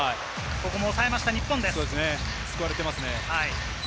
ここも抑えました、救われていますね。